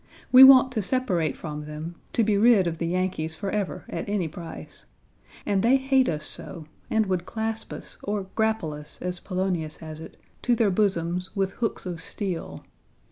We want to separate from them; to be rid of the Yankees forever at any price. And they hate us so, and would clasp us, or grapple us, as Polonius has it, to their bosoms "with hooks of steel."